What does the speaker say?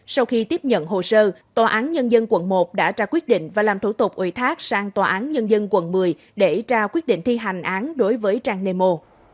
sau khi tiếp nhận hồ sơ tòa án nhân dân quận một đã ra quyết định và làm thủ tục ủy thác sang tòa án nhân dân quận một mươi để ra quyết định thi hành án đối với trang nemo